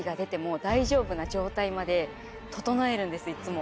いっつも。